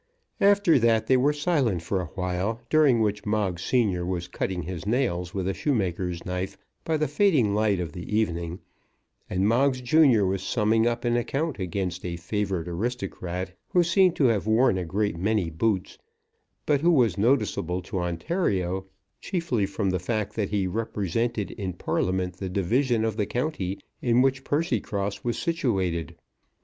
After that they were silent for a while, during which Moggs senior was cutting his nails with a shoemaker's knife by the fading light of the evening, and Moggs junior was summing up an account against a favoured aristocrat, who seemed to have worn a great many boots, but who was noticeable to Ontario, chiefly from the fact that he represented in Parliament the division of the county in which Percycross was situated.